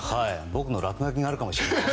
僕の落書きがあるかもしれません。